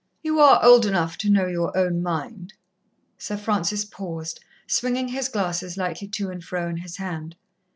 "You are old enough to know your own mind." Sir Francis paused, swinging his glasses lightly to and fro in his hand.